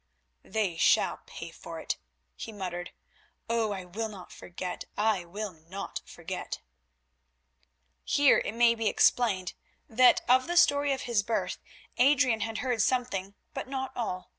"They shall pay for it," he muttered. "Oh! I will not forget, I will not forget." Here it may be explained that of the story of his birth Adrian had heard something, but not all.